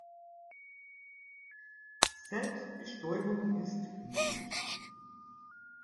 Selbstbestäubung ist möglich.